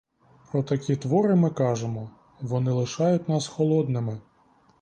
Про такі твори ми кажемо: вони лишають нас холодними.